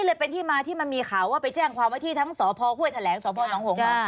เลยเป็นที่มาที่มันมีข่าวว่าไปแจ้งความว่าที่ทั้งสพห้วยแถลงสพนหง